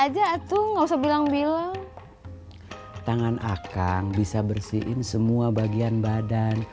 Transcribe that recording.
warnanya cocok ukurannya cocok harganya juga cocok